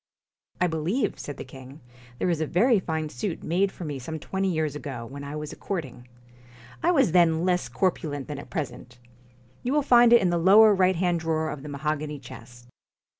' I believe,' said the king, ' there is a very fine suit made for me some twenty years ago, when I was courting. I was then less cor pulent than at present. You will find it in the lower right hand drawer of the mahogany chest.